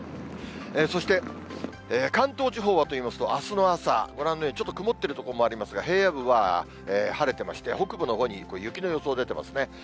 そして関東地方はといいますと、あすの朝、ご覧のようにちょっと曇っている所もありますが、平野部は晴れてまして、北部のほうに雪の予想出てますね。